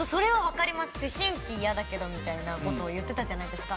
思春期嫌だけどみたいなこと言ってたじゃないですか。